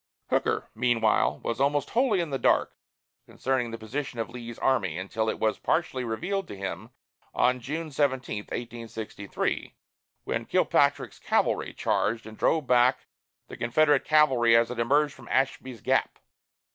Hooker, meanwhile, was almost wholly in the dark concerning the position of Lee's army, until it was partially revealed to him on June 17, 1863, when Kilpatrick's cavalry charged and drove back the Confederate cavalry as it emerged from Ashby's Gap.